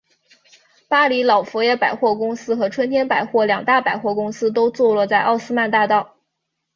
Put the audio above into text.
巴黎老佛爷百货公司和春天百货两大百货公司都坐落在奥斯曼大道。